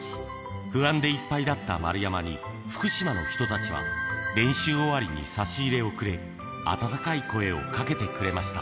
不安でいっぱいだった丸山に、福島の人たちは、練習終わりに差し入れをくれ、温かい声をかけてくれました。